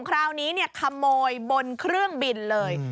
คราวนี้ขโมยบนเครื่องบินเลย